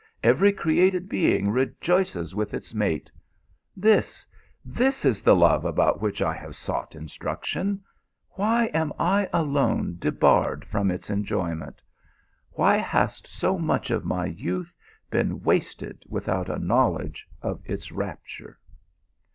Every cre ated being rejoices with its mate. This this is the love about which I have sought instruction ; why am I alone debarred its enjoyment ? why has so much OT my youth been wasted without a knowledge of its rapture